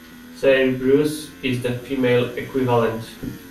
Sabreuse is the female equivalent.